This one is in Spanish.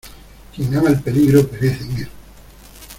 ¡ quien ama el peligro perece en él!